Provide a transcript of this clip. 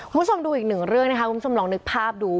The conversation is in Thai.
คุณผู้ชมดูอีกหนึ่งเรื่องนะคะคุณผู้ชมลองนึกภาพดู